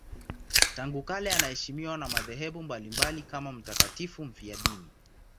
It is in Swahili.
Tangu kale anaheshimiwa na madhehebu mbalimbali kama mtakatifu mfiadini.